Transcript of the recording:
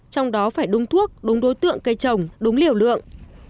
trong đó phải đúng thuốc đúng đối tượng cây trồng đúng liều lượng